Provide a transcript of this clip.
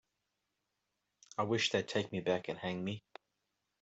I wish they'd take me back and hang me.